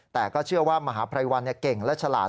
แต่ก็เชื่อว่ามหาภัยวันเก่งและฉลาด